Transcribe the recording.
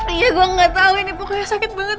iya gue gak tau ini pokoknya sakit banget